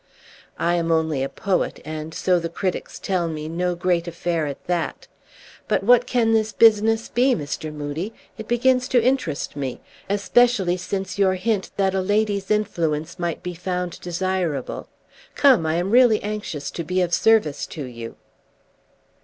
I am only a poet, and, so the critics tell me, no great affair at that! But what can this business be, Mr. Moodie? It begins to interest me; especially since your hint that a lady's influence might be found desirable. Come, I am really anxious to be of service to you."